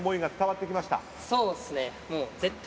そうっすね。